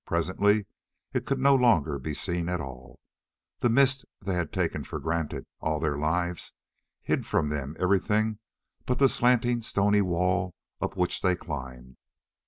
Presently it could no longer be seen at all. The mist they had taken for granted, all their lives, hid from them everything but the slanting stony wall up which they climbed.